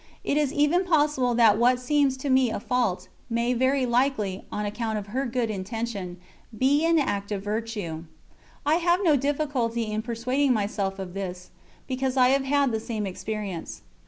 It is even possible that what seems to me a fault, may very likely, on account of her good intention, be an act of virtue. I have no difficulty in persuading myself of this, because I have had the same experience.